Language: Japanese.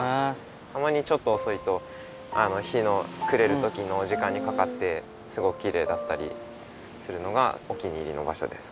たまにちょっとおそいと日のくれるときの時間にかかってすごくきれいだったりするのがお気に入りの場所です